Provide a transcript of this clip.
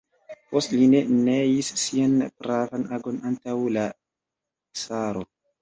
Poste li ne neis sian pravan agon antaŭ la caro.